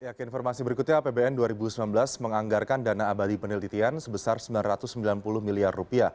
ke informasi berikutnya apbn dua ribu sembilan belas menganggarkan dana abadi penelitian sebesar rp sembilan ratus sembilan puluh miliar